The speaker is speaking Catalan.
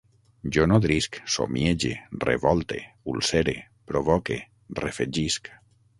Jo nodrisc, somiege, revolte, ulcere, provoque, refegisc